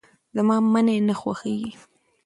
زما منی نه خوښيږي.